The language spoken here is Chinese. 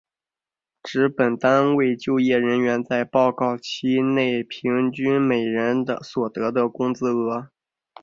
指本单位就业人员在报告期内平均每人所得的工资额。